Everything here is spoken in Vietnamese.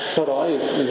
sau đó tôi xin ra